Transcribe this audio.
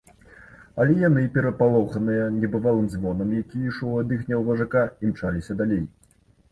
Але яны, перапалоханыя небывалым звонам, які ішоў ад іхняга важака, імчаліся далей.